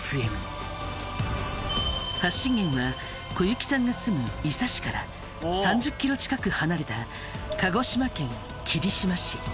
発信源は小雪さんが住む伊佐市から３０ｋｍ近く離れた鹿児島県霧島市。